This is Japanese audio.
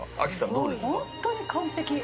どうですか？